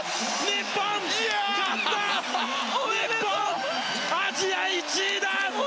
日本アジア１位だ！